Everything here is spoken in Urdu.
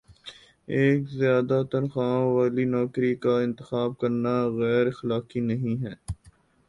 ایک زیادہ تنخواہ والی نوکری کا انتخاب کرنا غیراخلاقی نہیں ہے